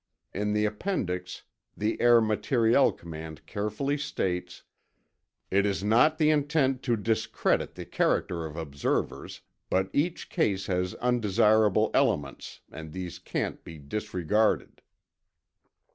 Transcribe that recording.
In the appendix, the Air Materiel Command carefully states: "It is not the intent to discredit the character of observers, but each case has undesirable elements and these can't be disregarded."